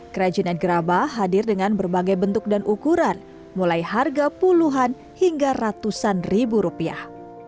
kerajinan gerabah hadir dengan berbagai bentuk dan ukuran mulai harga puluhan hingga ratusan ribu rupiah